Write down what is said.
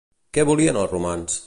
Què volien els romans?